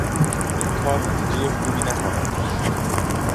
این کار نتیجه خوبی نخواهد داشت